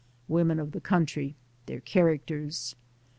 Women of the country — their characters.